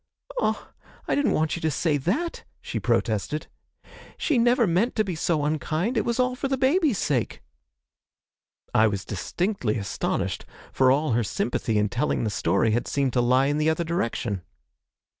'Ah, I didn't want you to say that!' she protested; 'she never meant to be so unkind it was all for the baby's sake!' I was distinctly astonished, for all her sympathy in telling the story had seemed to lie in the other direction.